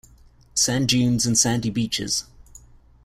Sand dunes and sandy beaches.